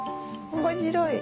面白い！